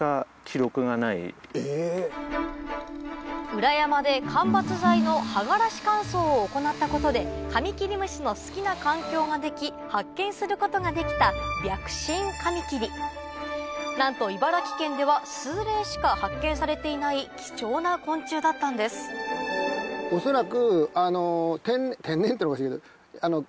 裏山で間伐材の葉がらし乾燥を行ったことでカミキリムシの好きな環境ができ発見することができたなんと茨城県では数例しか発見されていない貴重な昆虫だったんです恐らく。